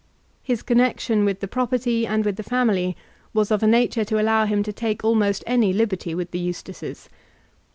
His connexion with the property and with the family was of a nature to allow him to take almost any liberty with the Eustaces.